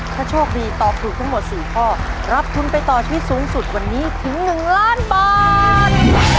ถ้าโชคดีตอบถูกทั้งหมด๔ข้อรับทุนไปต่อชีวิตสูงสุดวันนี้ถึง๑ล้านบาท